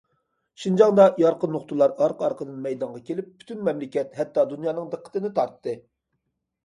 شىنجاڭدا يارقىن نۇقتىلار ئارقا- ئارقىدىن مەيدانغا كېلىپ، پۈتۈن مەملىكەت، ھەتتا دۇنيانىڭ دىققىتىنى تارتتى.